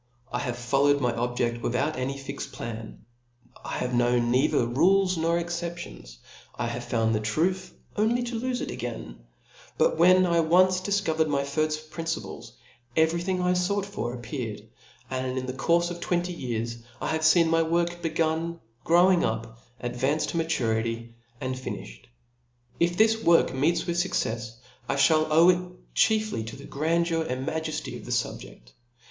I have followed my objc6l without any fixed plan : I have known neither rules nor excep'^ lions J I have found the truth, only to lolfe it again* But when I had once difcovered my firft principles, every thing I fought for apr pearcd ; and in the courfe of twenty years, I havie feen my work begun, growing up, ad vancing to maturity, and fini(hed. If this work meets with fuccefs, I (hall owe It chiefly to the grandeur and maj«fty of the fubje^ .